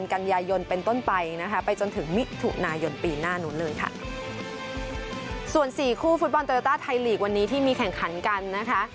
คู่ฟุตบอลเตอร์ตาไทยลีกวันนี้ที่มีแข่งขันกันนะคะ